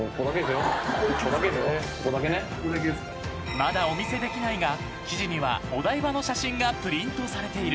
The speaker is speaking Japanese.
［まだお見せできないが生地にはお台場の写真がプリントされている］